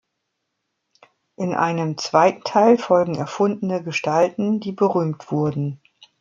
In einem zweiten Teil folgen erfundene Gestalten, die berühmt wurden.